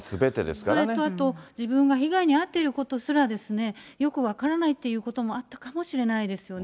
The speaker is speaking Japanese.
それとあと、自分が被害に遭っていることすら、よく分からないっていうこともあったかもしれないですよね。